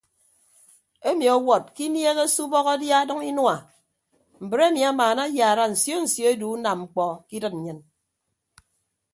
Emi ọwọd ke inieeghe se ubọk adia adʌñ inua mbre emi amaana ayaara nsio nsio edu unam mkpọ ke idịd nnyịn.